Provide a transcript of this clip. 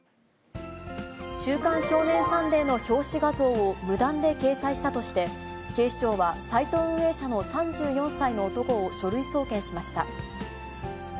週刊少年サンデーの表紙画像を無断で掲載したとして、警視庁は、サイト運営者の３４歳の男を書類送検しました。